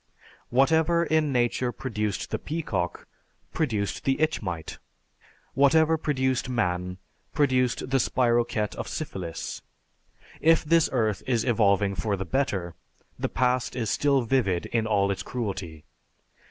Whatever in nature produced the peacock produced the itch mite; whatever produced man produced the spirochete of syphilis. If this earth is evolving for the better, the past is still vivid in all its cruelty.